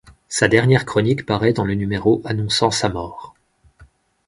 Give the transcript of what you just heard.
Sa dernière chronique paraît dans le numéro annonçant sa mort.